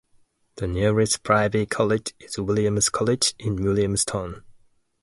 The nearest private college is Williams College in Williamstown.